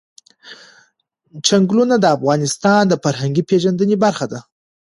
چنګلونه د افغانانو د فرهنګي پیژندنې برخه ده.